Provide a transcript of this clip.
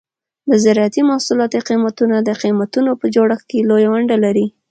د زراعتي محصولاتو قیمتونه د قیمتونو په جوړښت کې لویه ونډه لري.